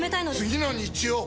次の日曜！